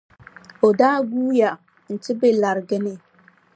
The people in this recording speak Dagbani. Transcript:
O daa guuya nti be lariga ni.